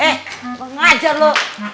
eh mau ngajar lo